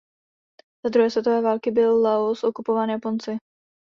Za druhé světové války byl Laos okupován Japonci.